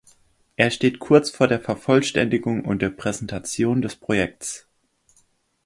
Er steht kurz vor der Vervollständigung und der Präsentation des Projekts.